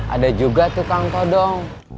ada juga tukang kodong